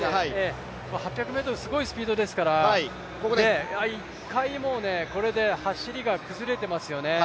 ８００ｍ、すごいスピードですから１回、これで走りが崩れていますよね。